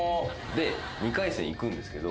で２回戦いくんですけど。